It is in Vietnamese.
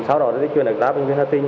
sau đó chuyển lại đến bệnh viện hà tĩnh